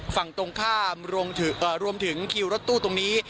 ฝั่งตรงข้ามรวมถึงคิวรถตู้ตรงนี้